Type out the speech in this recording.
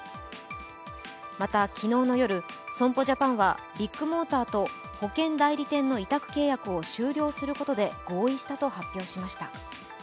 また、昨日の夜、損保ジャパンはビッグモーターと保険代理店の委託契約を終了することで合意したと発表しました。